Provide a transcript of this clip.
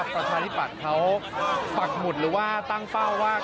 ประชาธิปัตย์เขาปักหมุดหรือว่าตั้งเป้าว่า